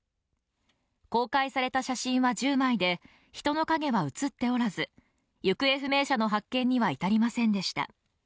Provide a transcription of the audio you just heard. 公開された写真は１０枚で人の影は写っておらず、行方不明者の発見には至りませんでした。